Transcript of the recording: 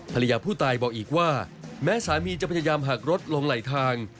ภรรยาผู้ตายบอกอีกว่าแม้สามีจะพยายามหักรถลงไหลทาง